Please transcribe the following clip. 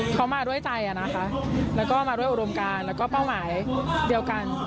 เขามาด้วยใจนะคะแล้วก็มาด้วยอุดมการแล้วก็เป้าหมายเดียวกัน